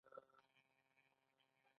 شریک کولی شي یوه برخه په زر افغانۍ واخلي